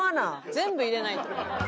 全部入れないと。